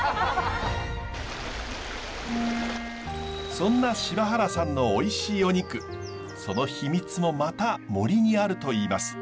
そんな柴原さんのおいしいお肉その秘密もまた森にあるといいます。